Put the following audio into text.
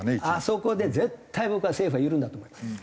あそこで絶対僕は政府は緩んだと思います。